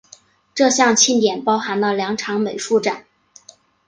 这项庆典包含了两场美术展。